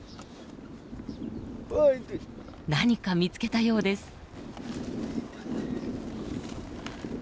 何か見つけたようです。